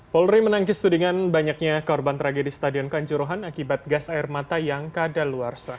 polri menangkis tudingan banyaknya korban tragedi stadion kanjuruhan akibat gas air mata yang kadaluarsa